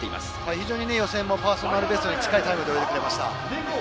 非常に予選もパーソナルベストに近いタイムで泳いでくれました。